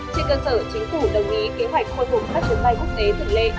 trị cơ sở chính phủ đồng ý kế hoạch khôi phục các chuyến bay quốc tế tự lệ